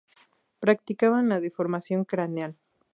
Practicaban la deformación craneal.